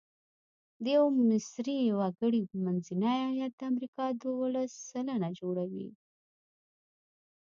د یوه مصري وګړي منځنی عاید د امریکا دوولس سلنه جوړوي.